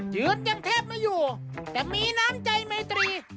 ยืนยังแทบไม่อยู่แต่มีน้ำใจไมตรี